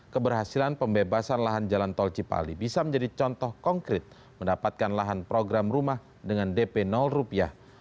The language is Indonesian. keberhasilan pembebasan lahan jalan tol cipali bisa menjadi contoh konkret mendapatkan lahan program rumah dengan dp rupiah